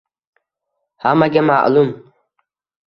Hammaga maʼlum